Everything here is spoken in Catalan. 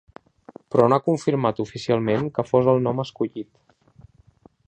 Però no ha confirmat oficialment que fos el nom escollit.